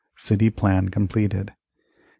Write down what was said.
City Plan completed 1812.